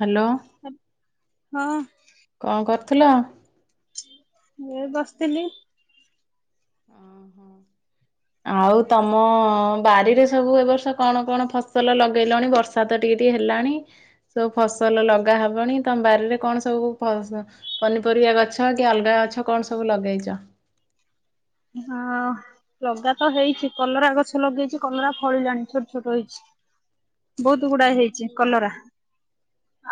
Hello. ହଁ। କଣ କରୁଥିଲ? ମୁଁ ବସିଥିଲି। ଓ ହଁ ଆଉ ତମ ବାରିରେ ସବୁ ଏ ବର୍ଷ କଣ କଣ ଫସଲ ଲଗେଇଲଣି ବର୍ଷା ବର୍ଷା ତ ଟିକେ ଟିକେ ହେଲାଣି ସବୁ ଫସଲ ଲଗାହବଣି ତମ ବାରିରେ କଣ ସବୁ ପନିପରିବା ଗଛ କି ଅଲଗା ଗଛ କଣ ସବୁ ଲଗେଇଛ? ହଁ ଲଗା ତ ହେଇଛି କଲରା ଗଛ ଲଗେଇଛି କଲରା ଫଳିଲାଣି ଛୋଟ ଛୋଟ ହେଇଛି। ବହୁତ ଗୁଡାଏ ହେଇଛି କଲରା।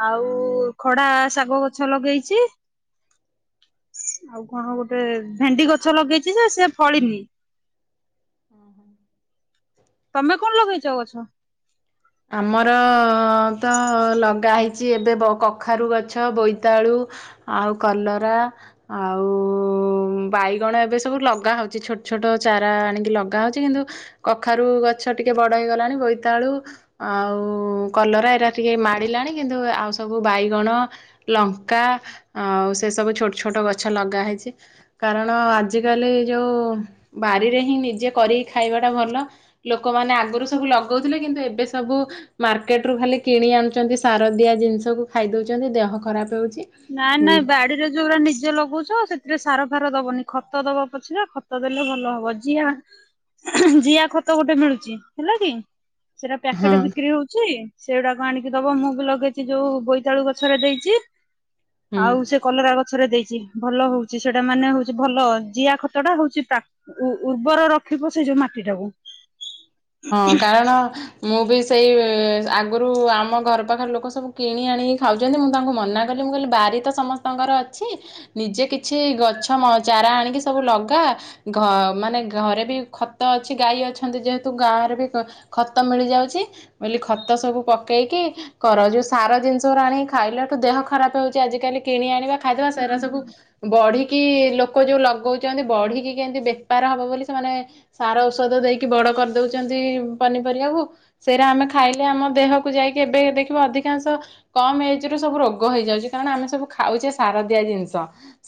ଆଉ ଖଡା ଶାଗ ଗଛ ଲଗେଇଛି। ଆଉ କଣ ଗୋଟେ ଭେଣ୍ଡି ଗଛ ଲଗେଇଛି ଯେ ସେ ଫଳିନି। ଓଁ ହୋ ତମେ କଣ ଲଗେଇଛ ଗଛ? ଆମର ତ ଲଗା ହେଇଛି ଏବେ କଖାରୁ ଗଛ ବୋଇତାଳୁ ଆଉ କଲରା ଆଉ ବାଇଗଣ ଏବେ ସବୁ ଲଗା ହଉଛି ଛୋଟ ଛୋଟ ଚାରା ଆଣିକି ଲଗା ହଉଛି କିନ୍ତୁ କଖାରୁ ଗଛ ଟିକେ ବଡ ହେଇଗଲାଣି ବୋଇତାଳୁ ଆଉ କଲରା ଏଇଟା ଟିକେ ମାଡ଼ିଲାଣି କିନ୍ତୁ ଆଉ ସବୁ ବାଇଗଣ ଲଙ୍କା ଆଉ ସେ ସବୁ ଛୋଟ ଛୋଟ ଗଛ ଲଗା ହେଇଛି। କାରଣ ଆଜିକାଲି ଯେଉଁ ବାରିରେ ହିଁ ନିଜେ କରିକି ଖାଇବାଟା ଭଲ। ଲୋକମାନେ ଆଗରୁ ସବୁ ଲଗଉଥିଲେ କିନ୍ତୁ ଏବେ ସବୁ ମାର୍କେଟରୁ ଖାଲି କିଣି ଆଣୁଛନ୍ତି ସାର ଦିଆ ଜିନିଷକୁ ଖାଇ ଦେଉଛନ୍ତି, ଦେହ ଖରାପ ହେଉଛି। ନା ନା ବାଡିରେ ଯୋଉଡା ନିଜେ ଲଗଉଚୁ ସେଥିରେ ସାର ଫାର ଦବନି ଖତ ଦବ ପଛରେ ଖତ ଦେଲେ ଭଲ ହବ, ଯି ଜିଆ ଖତ ଗୋଟେ ମିଳୁଛି ହେଲା କି ସେଟା ହଁ ପ୍ୟାକେଟ ବିକ୍ରି ହଉଛି। ସେଇଗୁଡାକ ଆଣିକି ଦବ, ମୁଁ ବି ଲଗେଇଛି ଯୋଉ ବୋଇତାଳୁ ଗଛରେ ଦେଇଛି ହୁଁ। ଆଉ ସେ କଲରା ଗଛରେ ଦେଇଛି, ଭଲ ହଉଛି, ସେଟା ମାନେ ହଉଛି ଭଲ ଜିଆ ଖତ ଟା ହଉଛି ପ୍ରା ଉ ଉର୍ବର ରଖିିବ ସେଇ ଯୋଉ ମାଟି ଟାକୁ। ହଁ କାରଣ ମୁଁ ବି ସେଇ ଆଗରୁ ଆମ ଘର ପାଖରେ ଲୋକ ସବୁ କିଣି ଆଣିକି ଖାଉଛନ୍ତି ମୁଁ ତାଙ୍କୁ ମନା କହିଲି ମୁଁ କହିଲି ବାରି ତ ସମସ୍ତଙ୍କର ଅଛି। ନିଜେ କିଛି ଗଛ ମ ଚାରା ଆଣିକି ସବୁ ଲଗା। ଘ ମାନେ ଘରେ ବି ଖତ ଅଛି ଗାଈ ଅଛନ୍ତି ଯେହେତ ତୁ ଗାଁ ରେ ଉଁ ବି ଖତ ମିଳିଯାଉଛି ବୋଲି ଖତ ସବୁ ପକେଇକି କର, ଯୋଉ ସାର ଜିନିଷ ଆଣିିକ ଖାଇଲାଠୁ ଦେହ ଖରାପ ହଉଛି, ଆଜିକାଲି କିଣି ଆଣିବା ଖାଇଦବା ହୁଁ ସେରା ସବୁ ହୁଁ। ବଢିକି ଲୋକ ଯୋଉ ଲଗଉଛନ୍ତି ବଢିକି କେମତି ବେପାର ହବ ବୋଲି ସେମାନେ ସାର ଔଷଧ ଦେଇକି ବଡ କରିଦଉଛନ୍ତି ପନିପରିବାକୁ। ସେଇରା ଆମେ ଖାଇଲେ ଆମ ଦେହକୁ ଯାଇକି ଏବେ ଦେଖିବ ଅଧିକାଂଶ କମ ଏଜରେ ସବୁ ରୋଗ ହେଇଯାଉଛି, କାରଣ ଆମେ ସବୁ ଖାଉଛେ ସାର ଦିଆ ଜିନିଷ।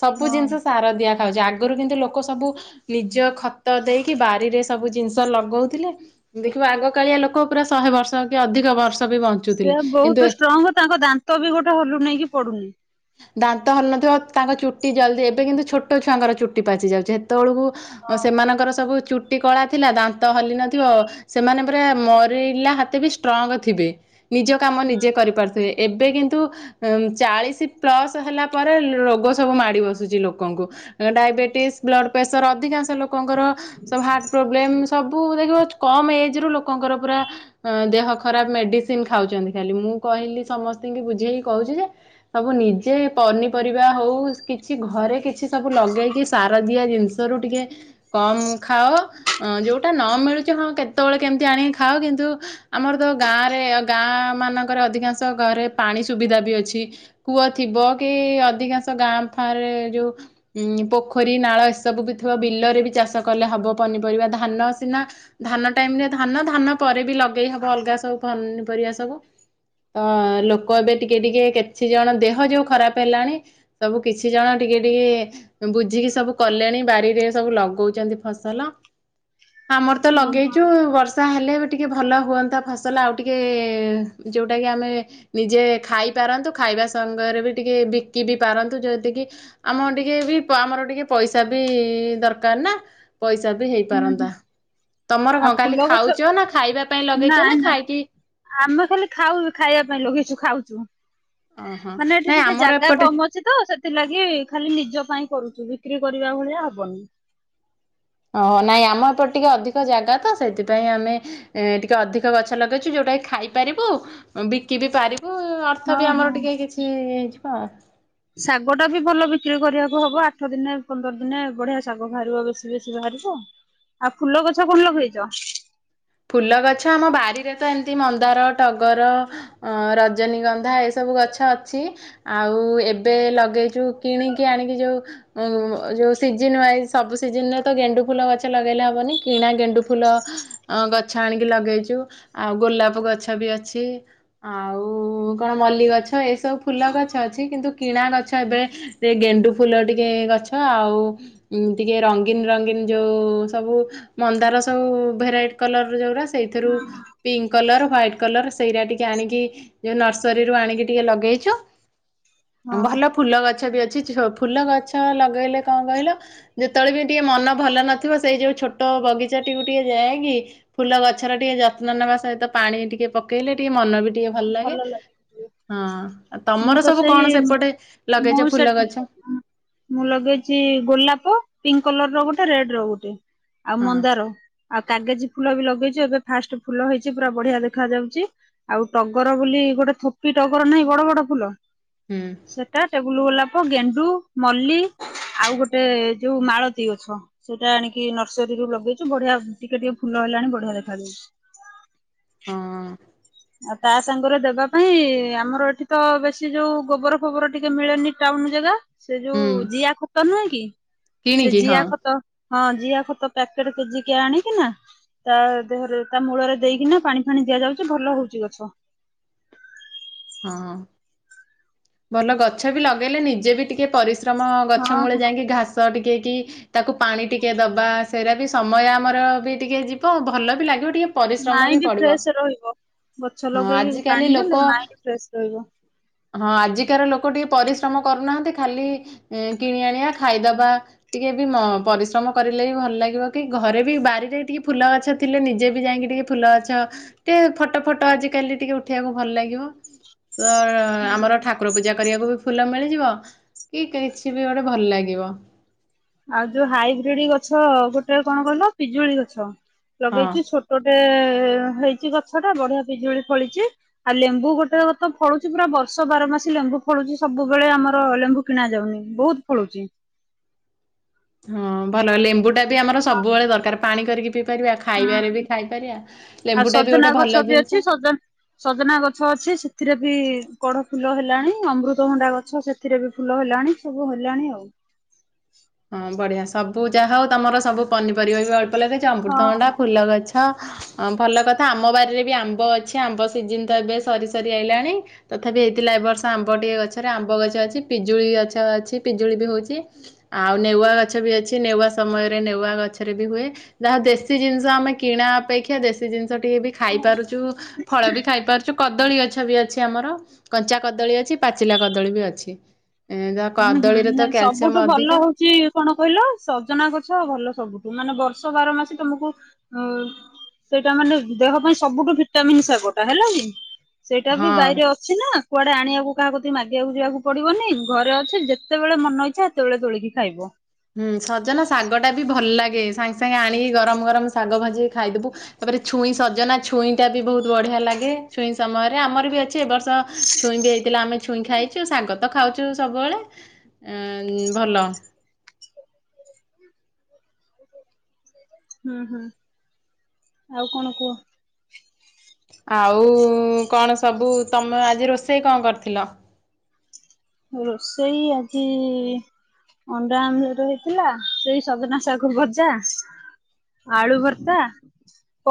ସବୁ ହଁ ଜିନିଷ ସାର ଦିଆ। ଖାଉଛି। ଆଗରୁ କିନ୍ତୁ ଲୋକ ସବୁ ନିଜ ଖତ ଦେଇକି ବାରିରେ ସବୁ ଜିନିଷ ଲଗଉ ଥିଲେ। ଦେଖିବା ଆଗ କାଳିଆ ଲୋକ ପୁରା ଶହେ ବର୍ଷ କି ଅଧିକ ବର୍ଷ ବି ବଞ୍ଚୁଥିଲେ ସେ କିନ୍ତୁ ବହୁତ ଷ୍ଟ୍ରଙ୍ଗ ତାଙ୍କ ଦାନ୍ତ ବି ଗୋଟେ ହଲୁନି ନେଇକି ପଡୁନି। ଦାନ୍ତ ହଲୁ ନଥିବ, ତାଙ୍କ ଚୁଟି ଜଲ୍ଦି ଏବେ କିନ୍ତୁ ଛୋଟ ଛୁଆଙ୍କର ଚୁଟି ପାଚିଯାଉଛି। ହେତେବେଳକୁ ଓ ଅଁ ସେମାନଙ୍କର ସବୁ ଚୁଟି କଳା ଥିଲା ଦାନ୍ତ ହଲି ନ ଥିବ। ସେମାନେ ପୁରା ମରିଲା ହାତେ ବି ଷ୍ଟ୍ରଙ୍ଗ ଥିବେ। ନିଜ କାମ ନିଜେ କରିପାରୁଥିବେ। ଏବେ କିନ୍ତୁ ଉମ ଚାଳିଶୀ ପ୍ଲସ ହେଲା ପରେ ରୋଗ ସବୁ ମାଡି ବସୁଛି ଲୋକଙ୍କୁ। ଡାଇବେଟିସ, ବ୍ଲଡ ପ୍ରେସର ଅଧିକାଂଶ ଲୋକଙ୍କର ସବୁ ହାର୍ଟ ପ୍ରୋବ୍ଲେମ ସବୁ ଦେଖିବ କମ୍ ଏଜ ରୁ ଲୋକଙ୍କର ପୁରା ଅଁ ଦେହ ଖରାପ ମେଡିସିନ ଖାଉଛନ୍ତି ଖାଲି ମୁଁ କହିଲି ସମସ୍ତିଙ୍କି ବୁଝେଇକି କହୁଛି ଯେ ସବୁ ନିଜେ ପନିପରିବା ହଉ କିଛି ଘରେ କିଛି ସବୁ ଲଗେଇକି ସାର ଦିଆ ଜିନିଷ ଷରୁ ଟିକେ କମ ଖାଅ ଅଁ ଯୋଉଟା ନ ମିଳୁ ଚି ହଁ କେତେବେଳେ କେମିତି ଆଣିକି ଖାଅ କିନ୍ତୁ ଆମର ତ ଗାଁ ରେ ଗାଁ ମାନଙ୍କରେ ଅଧିକାଂଶ ଘରେ ପାଣି ସୁବିଧା ବି ଅଛି। କୂଅ ଥିବ କି ଅଧିକାଂଶ ଗାଁ ଫାଁ ରେ ଯୋଉ ଉଁ ପୋଖରୀ, ନାଳ ଏସବୁ ବି ଥିବ ବିଲରେ ବି ଚାଷ କଲେ ହବ। ପନିପରିବା ଧାନ ସିନା ଧାନ ଟାଇମ ରେ ଧାନ, ଧାନ ପରେ ବି ଲଗେଇ ହବ ଅଲଗା ସବୁ ପନିପରିବା ସବୁ। ତ ଲୋକ ଏବେ ଟିକେ ଟିକେ କିଛି ଜଣ ଦେହ ଯୋଉ ଖରାପ ହେଲାଣି ସବୁ କିଛି ଜଣ ଟିକେ ଟିକେ ବୁଝିକି ସବୁ କଲେଣି। ବାରିରେ ସବୁ ଲଗଉଛନ୍ତି ଫସଲ। ଆମର ତ ହୋ ଲଗେଇଛୁ ବର୍ଷ ଷା ହେଲେ ଏବେ ଟିକେ ଭଲ ହୁଅନ୍ତା ଫସଲ ଆଉ ଟିକେ ଯେଉଁଟାକି ଆମେ ନିଜେ ଖାଇ ପାରନ୍ତୁ ଖାଇବା ସଙ୍ଗରେ ବି ଟିକେ ବିକି ବି ପାରନ୍ତୁ। ଯଦି କି ଆମ ଟିକେ ବି ପ ଆମର ଟିକେ ପଇସା ବି ଦରକାର ନା। ପଇସା ବି ହେଇପାରନ୍ତା। ତମର ଆଉ କଣ ଫୁଲ କାଲି ଗଛ ଖାଉଛ ନା ଖାଇବା ପାଇଁ ଲଗେଇଛ ନା ଖାଇକି ଆମେ ଖାଲି ଖାଉ ଖାଇବା ପାଇଁ ଲଗେଇଛୁ ଖାଉଛୁ। ଓହୋ ମାନେ ଏଠି ନାଇଁ ଟିକେ ଆମର ଜାଗା ଏପଟେ କମ ଅଛ ଛି ତ ସେଥିଲାଗି ଖାଲି ନିଜ ପାଇଁ କରୁଛୁ ବିକ୍ରି କରିବା ଭଳିଆ ହବନି। ଓ ନାଇଁ ଆମ ତ ଟିକେ ଅଧିକ ଜାଗା ତ ସେଇଥିପାଇଁ ଆମେ ଏଁ ଟିକେ ଅଧିକ ଗଛ ଲଗେଇଛୁ ଯୋଉଟାକି ଖାଇପାରିବୁ ଉଁ ବିକି ବିି ପାରିବୁ ଅ ଅର୍ଥ ହଁ ବି ହଁ। ଆମର ଟିକେ କିଛି ହେଇଯିବ ଆଉ। ଶାଗ ଟା ବି ଭଲ ବିକ୍ରି କରିବାକୁ ହବ ଆଠ ଦିନେ ପନ୍ଦର ଦିନେ ବଢିଆ ଶାଗ ବାହାରିବ ବେଶୀ ବେଶୀ ବାହାରିବ। ଆଉ ଫୁଲ ଗଛ କଣ ଲଗେଇଛ? ଫୁଲ ଗଛ ଆମ ବାରିରେ ତ ଏମିତି ମନ୍ଦାର, ଟଗର, ଅଁ ରଜ ଜନୀଗନ୍ଧା ଏସବୁ ଗଛ ଅଛି। ଆଉ ଏବେ ଲଗେଇଛୁ କିଣିକି ଆଣିକି ଯୋଉ ଉ ଯୋଉ ସିଜନ ୱାଇଜ ସବୁ ସିଜନରେ ତ ଗେଣ୍ଡୁ ଫୁଲ ଗଛ ଲଗେଇଲେ ହବନି, କିଣା ଗେଣ୍ଡୁ ଫୁଲ ଗଛ ଆଣିକି ଲଗେଇଛୁ, ଆଉ ଗୋଲାପ ଗଛ ବି ଅଛି। ଆଉ କଣ ମଲ୍ଲ ଗଛ ଏସବୁ ଫୁଲ ଗଛ ଅଛି, କିନ୍ତୁ କିଣା ଗଛ ଏବେ ଗେଣ୍ଡୁ ଫୁଲ ଟିକେ ଗଛ ଆଉ ଉ ଟିକେ ରଙ୍ଗୀନ ରଙ୍ଗୀନ ଯୋଉ ସବୁ ମନ୍ଦାର ସବୁ ଭେରାଇଟି କଲର ଯୋଉରା ସେଇଥିରୁ ପିଙ୍କ କଲର୍, ହ୍ୱାଇଟ୍ କଲର୍ ସେଇରା ଟିକେ ଆଣିକି ଯୋଉ ନର୍ସରୀରୁ ଆଣିକି ଟିକେ ଲଗେଇଛୁ। ହଁ। ଭଲ ଫୁଲ ଗଛ ବି ଅଛି, ଫୁଲ ଗଛ ଲଗେଇଲେ କଣ କହିଲ ଯେତେବେଳେ ବି ଟିକେ ମନ ଭଲ ନଥିବ, ସେଇ ଯୋଉ ଛୋଟ ବଗିଚାଟିକୁ ଟିକେ ଯାଇକି ଫୁଲ ଗଛର ଟିକେ ଯତ୍ନ ନେବା ସହିତ ପାଣି ଟିକେ ପକେଇଲେ, ଟିକେ ମନ ବି ଟିକେ ଭଲ ଲାଗେ। ହଁ ମୁଁ ତମର ତ ସବୁ କଣ ସେଇ ସେପଟେ ମୁଁ ଲଗେଇଛ ସେ ଫୁଲ ଗଛ? ମୁଁ ଲଗେଇଛି ଗୋଲାପ ପିଙ୍କ କଲର ର ଗୋଟେ ରେଡ ର ଗୋଟେ ଆଉ ହଁ ମନ୍ଦାର। ଆଉ କାଗଜି ଫୁଲ ବି ଲଗେଇଛୁ, ଏବେ ଫାଷ୍ଟ ଫୁଲ ହେଇଛି ପୁରା ବଢିଆ ଦେଖା ଯାଉଛି। ଆଉ ଟଗର ବୋଲି ଗୋଟେ ଥୋପି ଟଗର ନାହିଁ, ବଡ ବଡ ଫୁଲ ହୁଁ। ସେଟା ଟେଗୁଲ ଗୋଲାପ, ଗେଣ୍ଡୁ, ମଲ୍ଲି ଆଉ ଗୋଟେ ଯୋଉ ମାଳତୀ ଗଛ। ସେଇଟା ଆଣିକି ନର୍ସରୀରୁୁ ଲଗେଇଛୁ, ବଢିଆ ଟିକେ ଟିକେ ଫୁଲ ହେଲାଣି ବଢିଆ ଦେଖାଯାଉଛି। ହଁ। ଆଉ ତା ସାଙ୍ଗରେ ଦେବା ପାଇଁ ଆମର ଏଠି ତ ବେଶୀ ଯୋଉ ଗୋବର ଫୋବର ଟିକେ ମିଳେନି, ଟାଉନ ଜାଗା ସେ ହୁଁ ଯୋଉ ଜିଆ ଖତ ନୁହେଁ କି, ସେ କିଣିକି ହଁ ଜିଆ ଖତ ହଁ ଜିଆ ଖତ ପ୍ୟାକେଟ କେଜି କିଆ ଆଣି କି ନା ତା ଦେହରେ ତା ମୂଳରେ ଦେଇକିନା ପାଣି ଫାଣି ଦିଆଯାଉଛି ଭଲ ହଉଛି ଗଛ। ହଁ ଭଲ ଗଛ ବି ଲଗେଇଲେ ନିଜେ ବି ଟିକେ ପରି ଶ୍ରମ ଗଛ ହଁ ମୂଳେ ହଁ ଯାଇକି ଘାସ ଟିକିଏକି ତାକୁ ପାଣି ଟିକେ ଦବା ସେଇଟା ବି ସମୟ ଆମର ବି ଟିକେ ଯିବ, ଭଲ ବି ଲାଗିବ ଟିକେ ପରିଶ୍ରମ ବି ମାଇଣ୍ଡ ପଡିବ ଫ୍ରେଶ ରହିବ, ଗଛ ହଁ ଲଗେଇକି ଆଜିକାଲି ପାଣି ଲୋକ ଦେଲେ ମାଇଣ୍ଡ ଫ୍ରେଶ ରହିବ। ହଁ ଆଜିକାର ଲୋକ ଟିକେ ପରିଶ୍ରମ କରୁନାହାନ୍ତି, ଖାଲି କିଣି ଆଣିବା ଖାଇଦବା। ଟିକେ ବି ପରିଶ୍ରମ କରିଲେ ବି ଭଲ ଲାଗିବ, କି ଘରେ ବି ବାରିରେ ଟିକେ ଫୁଲ ଗଛ ଥିଲେ ନିଜେ ବି ଯାଇକି ଟିକେ ଫୁଲ ଅଛ ଟିକେ ଫଟୋ ଫଟ ଆଜିକାଲି ଟିକେ ଉଠିବାକୁ ଭଲ ଲାଗିବ। ତ ଆମର ଠାକୁର ପୂଜା କରିବାକୁ ବି ଫୁଲ ମିଳିଯିବ, କି କିଛି ବି ଗୋଟେ ଭଲ ଲାଗିବ। ଆଉ ଯୋଉ ହାଇବ୍ରିଡ ଗଛ ଗୋଟେ କଣ କହିଲ ପିଜୁଳି ଗଛ ହଁ ଲଗେଇଚୁ, ଛୋଟ ଛୋଟଟେ ହେଇଛି ଗଛ ଟା ବଢିଆ ପିଜୁଳି ଫଳିଛି। ଆଉ ଲେମ୍ବୁ ଗୋଟେ ରେ ତ ଫଳୁଛି ପୁରା ବର୍ଷ ବାର ମାସି ଲେମ୍ବୁ ଫଳୁଛି, ସବୁବେଳେ ଆମର ଲେମ୍ବୁ କିଣା ଯାଉନି, ବହୁତ ଫଳୁଛି। ହଁ ଭଲ ଲେମ୍ବୁ ଟା ବି ଆମର ସବୁବେଳେ ଦରକାର, ପାଣି କରିକି ପି ପାରିବା, ହଁ ଖାଇବାରେ ବି ହୁଁ। ଖାଇପାରିବା, ଆଉ ଲେମ୍ବୁ ଟା ବି ସଜନା ଗୋଟେ ଗଛ ଭଲ ବି ଅଛି ଜିନିଷ। ସଜ ସଜନା ଗଛ ଅଛି ସେଥିରେ ବି କଡ ଫୁଲ ହେଲାଣି, ଅମୃତଭଣ୍ଡା ଗଛ ସେ ସେଥିରେ ବି ଫୁଲ ହେଲାଣି, ସବୁ ହେଲାଣି ଆଉ। ହଁ ବଢିଆ ସବୁ ଯାହା ହଉ ତମର ସବୁ ପନିରିବା ବି ଅଳ୍ପ ଲଗାହେଇଚି, ହଁ ଅମୃତଣ୍ଡା ହଁ। ଫୁଲ ଗଛ ହ ଭଲ କଥା ଆମ ବାରି ରେ ବି ଆମ୍ବ ଅଛି, ଆମ୍ବ ସିଜିିନ ତ ଏବେ ସରି ସରି ଆଇଲାଣି ତଥାପି ହେଇଥିଲା ଏ ବର୍ଷ ଆମ୍ବ ଟିକେ ଗଛରେ ଆମ୍ବ ଗଛ ଅଛି, ପିଜୁଳି ଗଛ ଅଛି, ପିଜୁଳି ବି ହଉଛି। ଆଉ ନେୱଆ ଗଛ ବି ଅଛି ନେୱା ସମୟରେ ନେୱା ଗଛରେ ବି ହୁଏ। ଯାହା ଦେଶୀ ଜିନିଷ ଆମେ କିଣା ଅପେକ୍ଷା ଦେଶୀ ସେ ଜିନିଷ ଟିକେ ବି ଖାଇ ପାରୁଛୁ, ଫଳ ବି ଖାଇ ପାରୁଛୁ, କଦଳୀ ଗଛ ବି ଅଛି ଆମର, କଞ୍ଚା କଦଳୀ ଅଛି, ପାଚିଲା କଦଳୀ ବି ଅଛି। ଏ ହୁଁ ହୁଁ କଦଳୀରେ ତ ନାଇ କ୍ୟାଲସିୟମ ସବୁଠୁ ଅଧିକ ଭଲ ହଉ କି କଣ କହିଲ ସଜନା ଗଛ ଭଲ ସବୁଠୁ ମାନେ ବର୍ଷ ବାର ମାସି ତମକୁ ହ ସେଇଟା ମାନେ ଦେହ ପାଇଁ ସବୁଠୁ ଭିଟାମନ୍ ଶାଗଟା ହେଲା କି। ସେଇଟା ବି ହଁ। ବାଇରେ ଅଛି ନା କୁଆଡେ ଆଣିବାକୁ କାହାକୁ ମାଗିବାକୁ ଯିବାକୁ ପଡିବନି। ଘରେ ଅଛି ଯେତେବେଳେ ମନ ଇଛା ସେତେବେଳେ ତୋଳିକି ଖାଇବ। ହୁଁ ସଜନା ଶାଗ ଟା ବି ଭଲ ଲାଗେ ସାଙ୍ଗେ ସାଙ୍ଗେ ଆଣିକି ଗରମ ଗରମ ଶାଗ ଭାଜିକି ଖାଇଦବୁ। ତାପରେ ଛୁଇଁ ସଜନା ଛୁଇଁ ଟା ବି ବହୁତ ବଢିଆ ଲାଗେ, ଛୁଇଁ ସମୟରେ ଆମର ବି ଅଛି ଏବ ବର୍ଷ ଛୁଇଁ ବି ହେଇଥିଲା, ଆମେ ଛୁଇଁ ଖାଇଛୁ ଶାଗ ତ ଖାଉଛୁ ସବୁବେଳେ ଭଲ। ହୁଁ ହୁଁ ଆଉ କଣ କୁହ? ଆଉ କଣ ସବୁ ତମେ ଆଜି ରୋଷେଇ କଣ କରିଥିଲ? ରୋଷେଇ ଆଜି ଅଣ୍ଡା ଆମ୍ଲେଟ୍ ହେଇଥିଲା, ସେଇ ସଜନା ଶାଗ ଭଜା। ଆଳୁ ଭର୍ତ୍ତା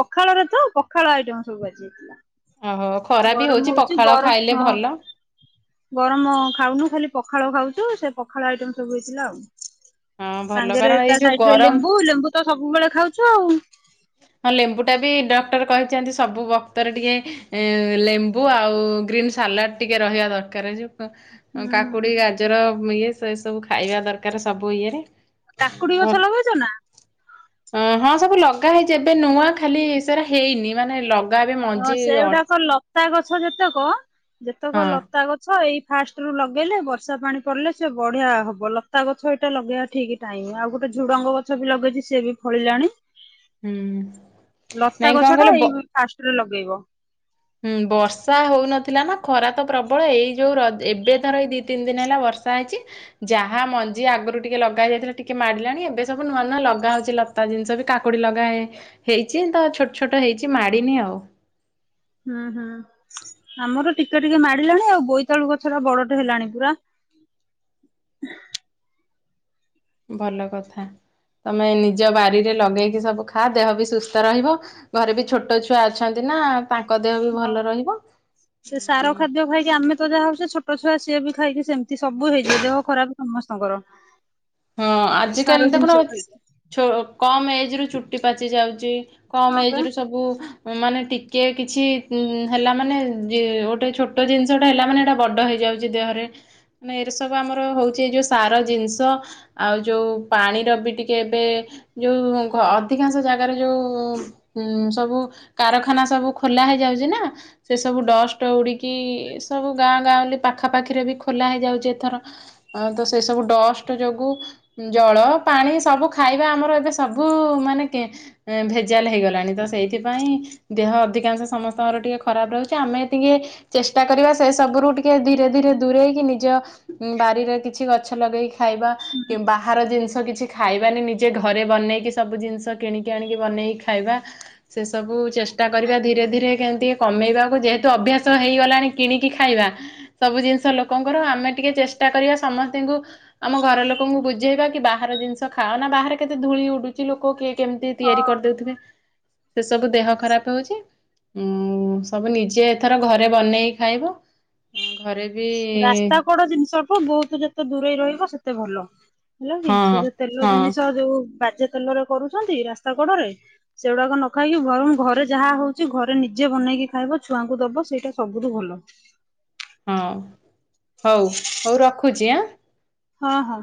ପଖାଳରେ ତ ପଖାଳ ଆଇଟମ ସବୁ ଆଜି ହେଇଥିଲା। ଓହୋ ଖରା ବି ଗରମ ହଉଛି ପଖାଳ ଗରମ ଖାଇଲେ ହଁ ଭଲ। ଗରମ ଖାଉନୁ ଖାଲି ପଖାଳ ଖାଉଛୁ ସେ ପଖାଳ ଆଇଟମ ସବୁ ହେଇଥିଲା ଆଉ। ହଁ ଭଲ ସାଙ୍ଗରେ କାରଣ ଏଇ ତା ଯୋଉ ସାଇରେ ଗରମ ଲେମ୍ବୁ, ଲେମ୍ବୁ ତ ସବୁବେଳେ ଖାଉଛୁ ଆଉ। ହଁ ଲେମ୍ବୁ ଟା ବି ଡକ୍ଟର କହିଛନ୍ତି ସବୁ ବକ୍ତରେ ଟିକେ ଲେମ୍ବୁ ଆଉ ଗ୍ରୀନ୍ ସାଲାଡ ଟିକେ ରହିବା ଦରକାର ଯଉ ହୁଁ। କାକୁଡି ଗାଜର ଇଏ ଏ ସେ ଏସବୁ ଖାଇବା ଦରକାର ସବୁ ଇଏରେ। କାକୁଡି ଭଲ ଗଛ ଲଗେଇଛ ନା? ହଁ ସବୁ ଲଗ ଲଗା ହେଇଚି ଏବେ ନୂଆଁ ଖାଲି ସାରା ହେଇନି ମାନେ ଏବେ ହଁ ମଞ୍ଜି ଅ ସେଗୁଡାକ ଲତା ଗଛ ଯେତେକ, ଯେତେକ ଲତା ହଁ ଲତା ଗଛ ଏଇ ଫାଷ୍ଟ ରୁ ଲଗେଇଲେ ବର୍ଷା ପାଣି ପଡ଼ିଲେ ସେ ବଢିଆ ହବ ଲତା ଗଛ ଏଇଟା ଲଗେଇବା ଠିକ। ଟାଇମ ଆଉ ଗୋଟେ ଝୁଡଙ୍ଗ ଗଛ ବି ଲଗେଇଛି ସିଏ ବି ଫଳିଲାଣି। ହୁଁ ଲତା ନାଇଁ ଗଛ କଣ ଟା କହିଲ? ଏଇ ଫାଷ୍ଟରେ ଲଗେଇବଗ। ହୁଁ ବର୍ଷା ହଉନଥିଲା ନା ଖରା ତ ପ୍ରବଳ ଏଇ ଯୋଉ ର ଏବେ ଧର ଏଇ ଦି ତିନି ଦିନ ହେଲା ବର୍ଷା ହେଇଛି। ଯାହା ମଞ୍ଜି ଆଗରୁ ଟିକେ ଲଗା ଯାଇଥିଲା ଟିକେ ମାଡ଼ିଲାଣି ଏବେ ସବୁ ନୂଆ ନୂଆ ଲଗା ହଉଛି ଲ ତା ଜିନିଷ ବି କାକୁଡି ଲଗା ହେ ହେଇଛି ତ ଛୋଟ ଛୋଟ ହେଇଛି ମାଡିନି ଆଉ। ହୁଁ ହୁଁ ଆମର ଟିକେ ଟିକେ ମାଡିଲାଣି ଆଉ ବୋଇତାଳୁ ଗଛ ଟା ବଡଟେ ହେଲାଣି ପୁରା। ଭଲ କଥା ତମେ ନିଜ ବାରିରେ ଲଗେଇକି ସବୁ ଖା ଦେହ ବି ସୁସ୍ଥ ରହିବ। ଘରେ ବି ଛୋଟ ଛୁଆ ଅଛନ୍ତି ନା ତାଙ୍କ ଦେହ ବି ହଁ। ଭଲ ରହିବ। ସେ ସାର ଖାଦ୍ୟ ଖାଇକି ଆମେ ତ ଯାହା ହଉଛେ ସେ ଛୋଟ ଛୁଆ ସିଏ ବି ଖାଇକି ସେମିତି ସବୁ ହେଇଯିବ ଦେହ ଖରାପ। ସମସ୍ତଙ୍କର। ହଁ ଆଜି ସାର କାଲି ତ ଜିନିଷ ଆପଣ ଖାଇକି କମ ଏଜ ରୁ ଚୁଟି ପାଚି ଯାଉଛି, ହଁ କମ ବା ଏଜ ରୁ ସବୁ ମାନେ ଟିକେ କିଛି ହେଲା ମାନେ ଗୋଟେ ଛୋଟ ଜିନିଷ ଟା ହେଲା ମାନେ ଏଇଟା ବଡ ହେଇଯାଉଛି। ଦେହରେ ମାନେ ଏରେ ସବୁ ଆମର ହଉଛି ଏଇ ଯୋଉ ସାର ଜିନିଷ ଆଉ ଯୋଉ ପାଣିର ବି ଟିକେ ଏବେ ଯୋଉ ଅଧିକାଂଶ ଜାଗାରେ ଯୋଉ ଉଁ ସବୁ କାରଖାନା ସବୁ ଖୋଲା ହେଇଯାଉଛି ନା ସେ ସବୁ ଡଷ୍ଟ ଉଡିକି ସବୁ ଗାଁ ଗାଁଉଲି ପାଖାପାଖିରେ ବି ଖୋଲା ହେଇଯାଉଛି ଏଥର। ଆଉ ତ ସେ ସବୁ ଡଷ୍ଟ ଯୋଗୁ ଜଳ ପାଣି ସବୁ ଖାଇବା ଆମର ଏବେ ସବୁ ମାନେ ଭେଜାଲ ହେଇଗଲାଣି ତ ସେଇଥିପାଇଁ ଦେହ ଅଧିକାଂଶ ସମସ୍ତଙ୍କର ଟିକେ ଖରାପ ରହୁଛି ଆମେ ଟିକେ ଚେଷ୍ଟା କରିବା ସେ ସବୁ ରୁ ଟିକେ ଧୀରେ ଧୀରେ ଦୂରେଇକି ନିଜ ଉ ବାରିରେ କିଛି ଗଛ ଲଗେଇକି ଖାଇବା। ବାହାର ଜିନିଷ କିଛି ଖାଇବାନି ନିଜେ ଘରେ ବନେଇକି ସବୁ ଜିନିଷ କିଣିକି ଆଣିକି ବନେଇକି ଖାଇବା। ସେସବୁ ଚେଷ୍ଟା କରିବା ଧୀରେ ଧୀରେ କେମିତି କମେଇବାକୁ ଯେହେତୁ ଅଭ୍ୟାସ ହେଇଗଲାଣି କିଣିକି ଖାଇବା। ସବୁ ଜିନିଷ ଲୋକଙ୍କର ଆମେ ଟିକେ ଚେଷ୍ଟା କରିବା ସମସ୍ତଙ୍କୁ ଆମ ଘର ଲୋକ ଲୋକଙ୍କୁ ବୁଝେଇବା କି ବାହାର ଜିନିଷ ଖାଅ ନା ବାହାରେ କେତେ ଧୂଳି ଉଡୁଛି ଲୋକ କିଏ କେମିତି ତିଆରି ହଁ। କରିଦେଉଥିବେ। ସେ ସବୁ ଦେହ ଖରାପ ହଉଛି। ଉ ସବୁ ନିଜେ ଏଥର ଘରେ ବନେଇକି ଖାଇବ। ଉଁ ଘରେ ବି [unintelligible] ଜିନ୍ଷ ବହୁତ ଯେତେ ଦୂରେଇ ରହିବ ସେତେ ଭଲ। ହେଲା କି ହଁ ସେ ଯୋଉ ତେଲ ହଁ ଜିନିଷ ଯୋଉ ବାଜେ ତେଲରେ କରୁଛନ୍ତି ରାସ୍ତା କଡରେ ସେଗୁଡାକ ନ ଖାଇକି ବରଂ ଘରେ ଯାହା ହଉଚି ଘରେ ନିଜେ ବନେଇକି ଖାଇବ ଛୁଆଙ୍କୁ ଦବ ସେଇଟା ସବୁଠୁ ଭଲ। ହଁ ହଉ ହଉ ରଖୁଚି ଆଁ? ହଁ ହଁ।